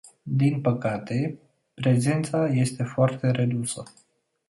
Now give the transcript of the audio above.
Din păcate, prezența este foarte redusă.